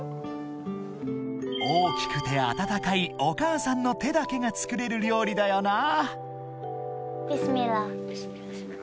［大きくてあたたかいお母さんの手だけが作れる料理だよなぁ］